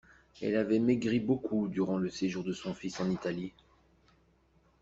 Elle avait maigri beaucoup durant le séjour de son fils en Italie.